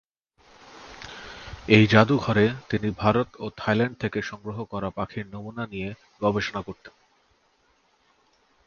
এই জাদুঘরে তিনি ভারত ও থাইল্যান্ড থেকে সংগ্রহ করা পাখির নমুনা নিয়ে গবেষণা করতেন।